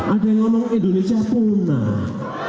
ada yang ngomong indonesia punah